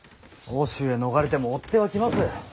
奥州へ逃れても追っ手は来ます。